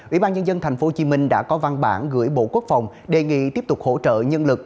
ủy ban nhân dân tp hcm đã có văn bản gửi bộ quốc phòng đề nghị tiếp tục hỗ trợ nhân lực